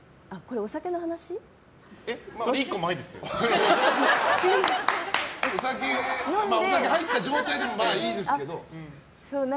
お酒入った状態でもまあ、いいですけど。